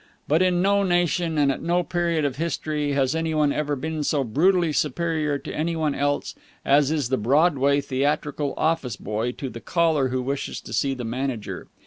But in no nation and at no period of history has any one ever been so brutally superior to any one else as is the Broadway theatrical office boy to the caller who wishes to see the manager.